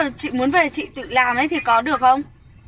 tức là chị muốn về chị tự làm ấy thì có được không